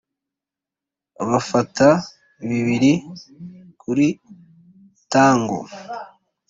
bifata bibiri kuri tango